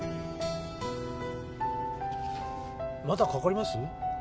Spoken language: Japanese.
まだかかります？